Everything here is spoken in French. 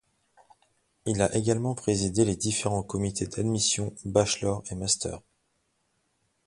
Il a également présidé les différents comités d’admission Bachelor et Master.